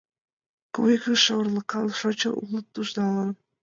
Кум икшыве — орлыкан Шочын улыт нужналан.